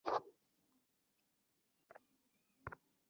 আসলে প্রিমিয়ারের তারিখ ঠিক হওয়ার আগেই রোনালদো ভেগাসে যাওয়া ঠিক করে রেখেছিলেন।